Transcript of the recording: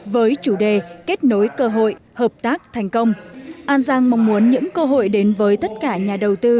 với chủ đề kết nối cơ hội hợp tác thành công an giang mong muốn những cơ hội đến với tất cả nhà đầu tư